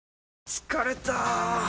疲れた！